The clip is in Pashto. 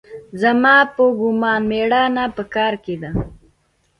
زما په ګومان مېړانه په کار کښې ده.